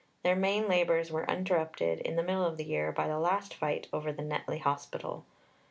Their main labours were interrupted in the middle of the year by a last fight over the Netley Hospital.